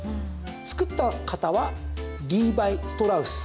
作った方はリーバイ・ストラウス。